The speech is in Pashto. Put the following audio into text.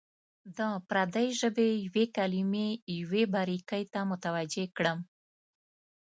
د پردۍ ژبې یوې کلمې یوې باریکۍ ته متوجه کړم.